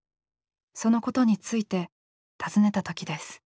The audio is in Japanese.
そのことについて尋ねた時です。